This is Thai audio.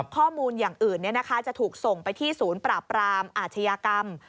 ข้อมูลอย่างอื่นจะถูกส่งไปที่ศูนย์ปราบรามอาชญากรรม